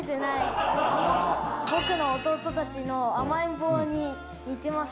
僕の弟たちの甘えん坊に似てます。